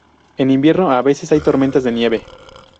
En invierno a veces hay tormentas de nieve.